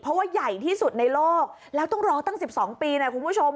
เพราะว่าใหญ่ที่สุดในโลกแล้วต้องรอตั้ง๑๒ปีนะคุณผู้ชม